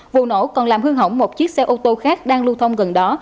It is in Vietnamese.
vụ nổ còn làm hư hỏng một chiếc xe ô tô khác đang lưu thông gần đó